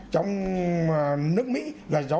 trong nước mỹ là do